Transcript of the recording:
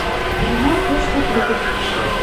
Иллимар пеш чот лӱдӧ.